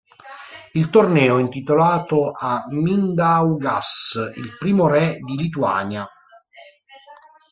Il torneo è intitolato a Mindaugas, il primo Re di Lituania.